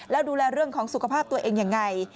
แล้วดูแลเรื่องของสุขภาพตัวเองยังไง